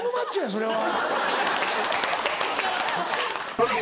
それは。